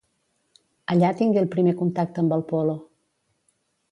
Allà tingué el primer contacte amb el polo.